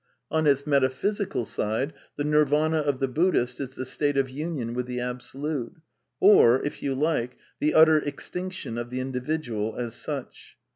On its metaphysical side the Nirvana of the Buddhist is the state of union with the Absolute; or, if you like, the utter extinction of the individual as such.